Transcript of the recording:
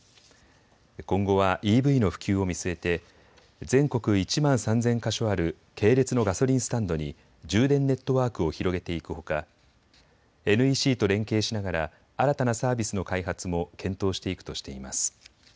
今後はＥＶの普及を見据えて全国１万３０００か所ある系列のガソリンスタンドに充電ネットワークを広げていくほか、ＮＥＣと連携しながら新たなサービスの開発も検討していくとしています。